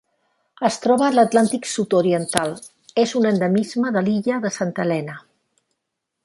Es troba a l'Atlàntic sud-oriental: és un endemisme de l'illa de Santa Helena.